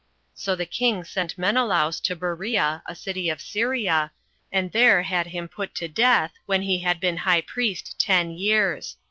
So the king sent Menelaus to Berea, a city of Syria, and there had him put to death, when he had been high priest ten years.